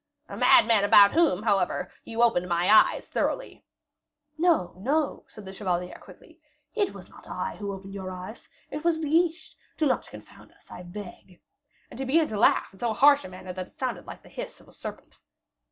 "A madman about whom, however, you opened my eyes thoroughly." "No, no," said the chevalier, quickly; "it was not I who opened your eyes, it was De Guiche. Do not confound us, I beg." And he began to laugh in so harsh a manner that it sounded like the hiss of a serpent.